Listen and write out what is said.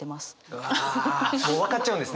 うわもう分かっちゃうんですね